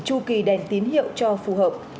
chu kỳ đèn tín hiệu cho phù hợp